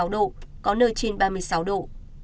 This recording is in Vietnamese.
ba mươi độ có nơi trên ba mươi sáu độ